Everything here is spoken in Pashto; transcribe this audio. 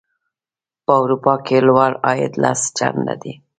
په اروپا کې لوړ عاید لس چنده دی.